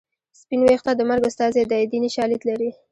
سپین ویښته د مرګ استازی دی دیني شالید لري